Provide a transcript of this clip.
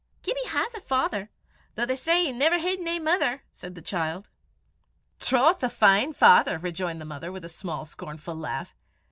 "Gibbie has a father, though they say he never hid nae mither," said the child. "Troth, a fine father!" rejoined the mother, with a small scornful laugh.